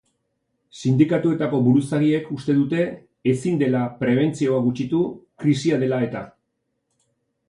Sindikatuetako buruzagiek uste dute ezin dela prebentzioa gutxitu krisia dela eta.